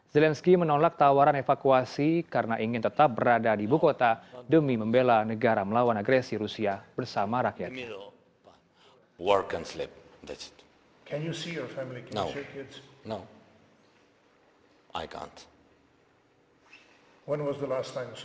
zelensky menolak tawaran evakuasi karena ingin tetap berada di ibu kota demi membela negara melawan agresi rusia bersama rakyat